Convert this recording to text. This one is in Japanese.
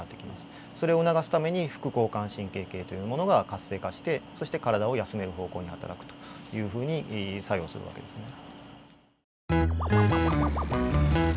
それを促すために副交感神経系というものが活性化してそして体を休める方向にはたらくというふうに作用する訳ですね。